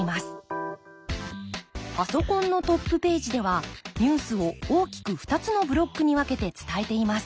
パソコンのトップページではニュースを大きく２つのブロックに分けて伝えています。